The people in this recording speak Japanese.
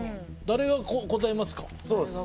誰が答えますか。